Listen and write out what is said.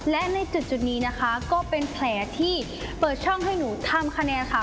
และในจุดนี้นะคะก็เป็นแผลที่เปิดช่องให้หนูทำคะแนนค่ะ